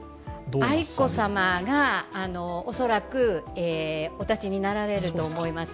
愛子さまは恐らくお立ちになられると思います。